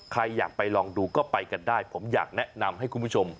ใครอยากไปลองดูก็ไปกันได้ผมอยากแนะนำให้คุณผู้ชม